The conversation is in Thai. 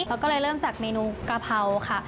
เขาก็เลยเริ่มจากเมนูกะเพราค่ะ